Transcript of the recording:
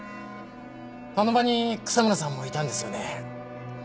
あの場に草村さんもいたんですよね？